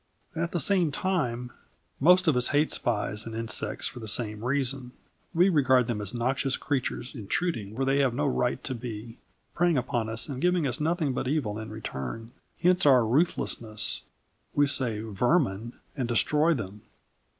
At the same time, most of us hate spies and insects for the same reason. We regard them as noxious creatures intruding where they have no right to be, preying upon us and giving us nothing but evil in return. Hence our ruthlessness. We say: "Vermin," and destroy them.